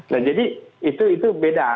nah jadi itu beda